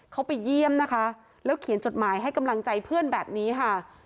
เขาไปเยี่ยมนะคะแล้วเขียนจดหมายให้กำลังใจเพื่อนแบบนี้ค่ะ